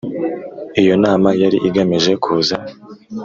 Iyo nama yari igamije kuza